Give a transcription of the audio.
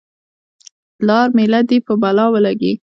لار میله دې په بلا ولګي.